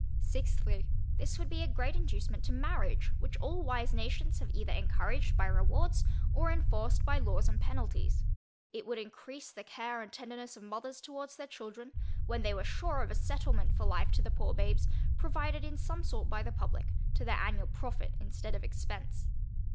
Sixthly, This would be a great inducement to marriage, which all wise nations have either encouraged by rewards, or enforced by laws and penalties. It would encrease the care and tenderness of mothers towards their children, when they were sure of a settlement for life to the poor babes, provided in some sort by the publick, to their annual profit instead of expence.